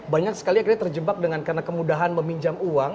banyak sekali akhirnya terjebak dengan karena kemudahan meminjam uang